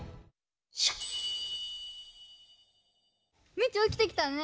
ミチおきてきたね。